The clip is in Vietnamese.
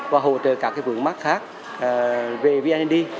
và hỗ trợ các vướng mắc khác về vnad